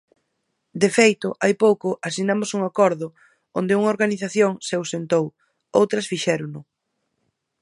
De feito, hai pouco asinamos un acordo onde unha organización se ausentou, outras fixérono.